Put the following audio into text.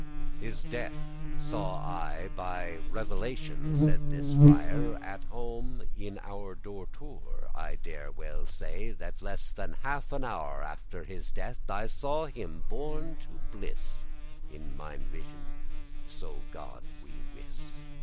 "His death saw I by revelatioun," Said this friar, "at home in our dortour.* *dormitory <10> I dare well say, that less than half an hour Mter his death, I saw him borne to bliss In mine vision, so God me wiss.